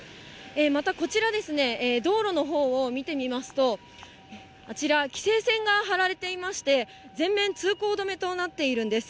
また、こちらですね、道路のほうを見てみますと、あちら、規制線が張られていまして、全面通行止めとなっているんです。